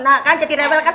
nah kan jadi rebel kan